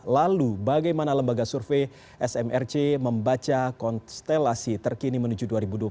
lalu bagaimana lembaga survei smrc membaca konstelasi terkini menuju dua ribu dua puluh empat